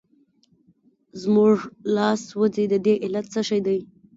زموږ لاس سوځي د دې علت څه شی دی؟